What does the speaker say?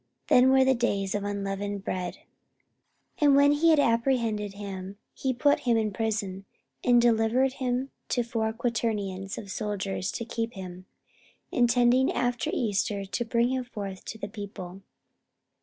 (Then were the days of unleavened bread.) 44:012:004 And when he had apprehended him, he put him in prison, and delivered him to four quaternions of soldiers to keep him; intending after Easter to bring him forth to the people.